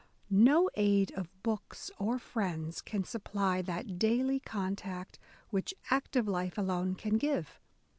. No aid of books or friends can supply that daily contact which active life alone can give